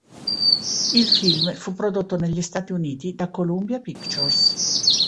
Il film fu prodotto negli Stati Uniti da Columbia Pictures.